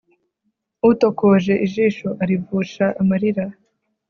utokoje ijisho, arivusha amarira